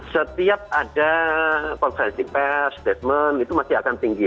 setiap ada konvensi pers detmen itu masih akan tinggi